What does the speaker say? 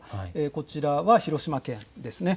こちらは、広島県ですね。